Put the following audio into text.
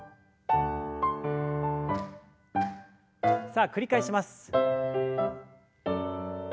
さあ繰り返します。